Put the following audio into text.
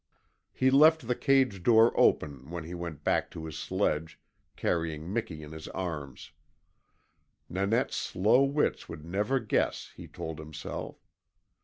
He left the cage door open when he went back to his sledge, carrying Miki in his arms. Nanette's slow wits would never guess, he told himself.